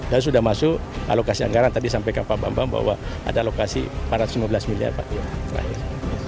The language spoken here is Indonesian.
dan sudah masuk alokasi anggaran tadi sampai ke pak bambang bahwa ada alokasi empat ratus lima belas miliar